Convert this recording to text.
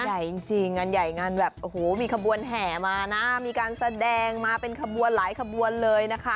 ก็แท้เยี่ยมึงเยี่ยมไปข้างล่างจริงงานใหญ่งานแหวนมามีการแสดงมาเป็นหลายขบวนเลยนะคะ